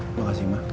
terima kasih ma